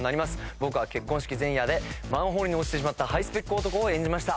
僕は結婚式前夜でマンホールに落ちてしまったハイスペック男を演じました。